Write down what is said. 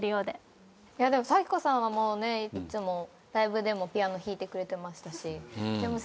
でも咲子さんはいつもライブでもピアノ弾いてくれてましたし。